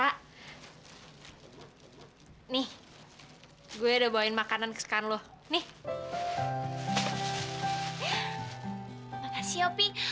terima kasih hopi